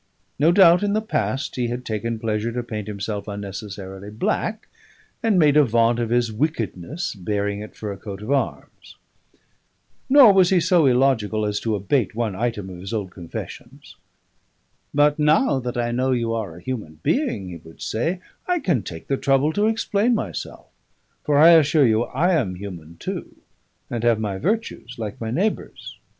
No doubt in the past he had taken pleasure to paint himself unnecessarily black, and made a vaunt of his wickedness, bearing it for a coat of arms. Nor was he so illogical as to abate one item of his old confessions. "But now that I know you are a human being," he would say, "I can take the trouble to explain myself. For I assure you I am human too, and have my virtues like my neighbours."